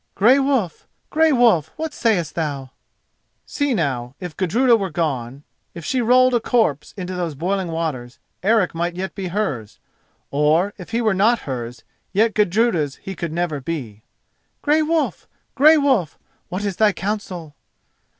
"Grey Wolf, Grey Wolf! what sayest thou?" See, now, if Gudruda were gone, if she rolled a corpse into those boiling waters, Eric might yet be hers; or, if he was not hers, yet Gudruda's he could never be. "_Grey Wolf, Grey Wolf! what is thy counsel?